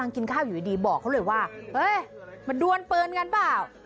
กินข้าวอยู่ดีบอกเขาเลยว่ามันดวนปืนกันเปล่า